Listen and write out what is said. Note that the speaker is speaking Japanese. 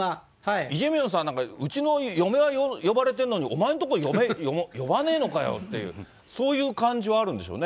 イ・ジェミョンさんなんか、うちの嫁は呼ばれてるのに、お前のとこ呼ばねえのかよっていう、そういう感じはあるんでしょうね。